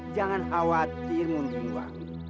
jangan khawatir mundiwa